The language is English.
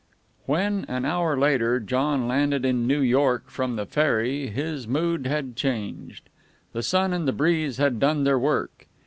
When, an hour later, John landed in New York from the ferry, his mood had changed. The sun and the breeze had done their work.